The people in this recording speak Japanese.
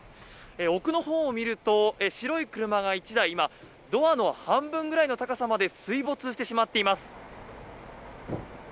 奥のほうを見ると白い車が１台今、ドアの半分ぐらいの高さまで水没してしまっています。